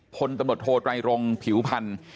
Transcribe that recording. พลตำรวจโทไตรรงผิวพันธ์